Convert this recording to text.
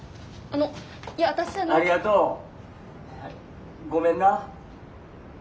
・ありがとう。ごめんな。